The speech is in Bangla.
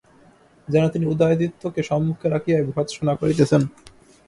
যেন তিনি উদয়াদিত্যকে সম্মুখে রাখিয়াই ভর্ৎসনা করিতেছেন।